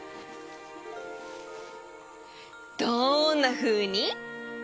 どんなふうに？